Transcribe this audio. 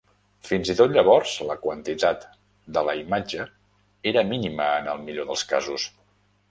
Fin i tot llavors, la qualitat de la imatge era mínima en el millor dels casos.